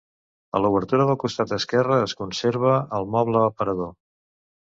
A l'obertura del costat esquerre es conserva el moble aparador.